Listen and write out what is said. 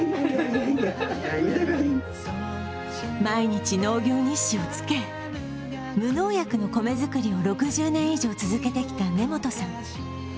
毎日、農業日誌をつけ無農薬の米づくりを６０年以上続けてきた根本さん。